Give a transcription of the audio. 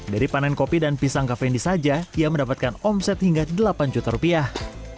dari panen kopi dan pisang kafeindi saja ia mendapatkan omset hingga delapan juta rupiah